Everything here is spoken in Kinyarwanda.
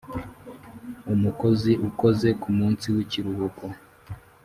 Umukozi ukoze ku munsi w ikiruhuko